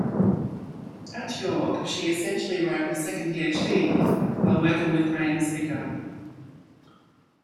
At York, she "essentially wrote a second PhD" while working with Graeme Segal.